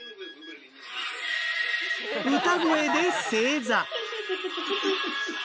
歌声で正座。